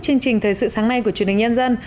chương trình thời sự sáng nay của chuyên đình nhân dân